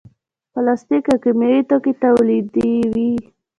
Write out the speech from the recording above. پلاستیک او کیمیاوي توکي تولیدوي.